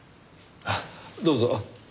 どうぞ。